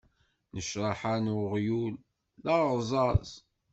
Nnecṛaḥa n uɣyul, d aɣẓaẓ.